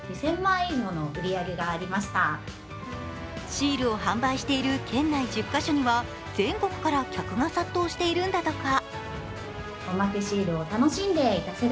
シールを販売している県内１０か所には全国から客が殺到しているんだとか。